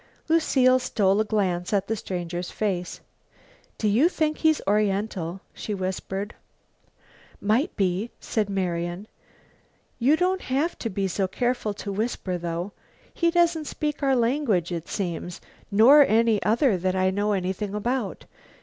Lucile stole a glance at the stranger's face. "Do you think he's oriental?" she whispered. "Might be," said Marian. "You don't have to be so careful to whisper though; he doesn't speak our language, it seems, nor any other that I know anything about.